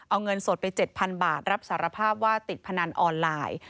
เอาเงินสดไป๗๐๐บาทรับสารภาพว่าติดพนันออนไลน์